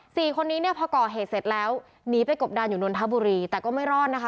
สี่คนนี้เนี่ยพอก่อเหตุเสร็จแล้วหนีไปกบดานอยู่นนทบุรีแต่ก็ไม่รอดนะคะ